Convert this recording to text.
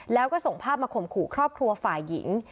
แล้วก็ส่งภาพมาข่มขู่ครอบครัวฝ่ายหญิง